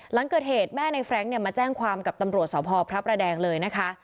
หลังเกิดเหตุแม่ในแฟรงค์มาแจ้งความกับตำรวจสพพระประแดงเลยนะคะ